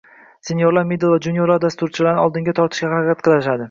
Seniorlar middle va junior dasturchilarni oldinga tortishga harakat qilishadi